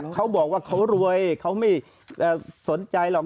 เขาบอกว่าเขารวยเขาไม่สนใจหรอก